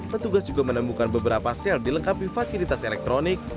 petugas juga menemukan beberapa sel dilengkapi fasilitas elektronik